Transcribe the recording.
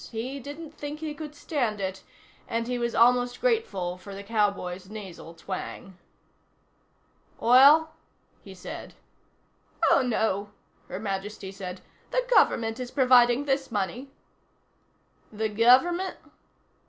He didn't think he could stand it, and he was almost grateful for the cowboy's nasal twang. "Oil?" he said. "Oh, no," Her Majesty said. "The Government is providing this money." "The Government?"